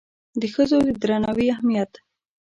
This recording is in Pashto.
د ښځو د درناوي اهمیت